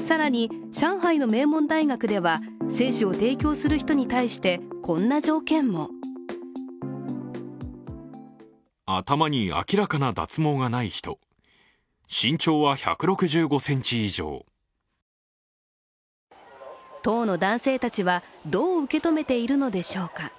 更に、上海の名門大学では精子を提供する人に対してこんな条件も当の男性は、どう受け止めているのでしょうか。